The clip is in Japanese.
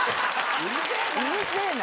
うるせぇな！